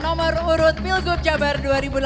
nomor urut pilgub jabar dua ribu delapan belas